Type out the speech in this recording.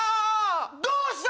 どうした！？